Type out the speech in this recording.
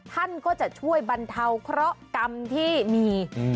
ท่านก็จะช่วยบรรเทาเคราะห์กรรมที่มี